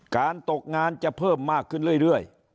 ตกงานจะเพิ่มมากขึ้นเรื่อย